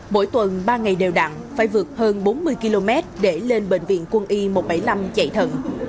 mỗi tuần ba ngày đều đặn phải vượt hơn bốn mươi km để lên bệnh viện quân y một trăm bảy mươi năm chạy thận